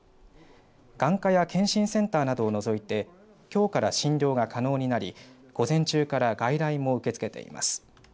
眼科や健診センターなどを除いてきょうから診療が可能になり午前中から外来も受け付けています。